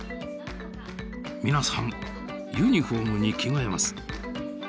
皆さんユニフォームに着替えます。